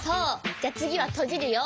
じゃつぎはとじるよ。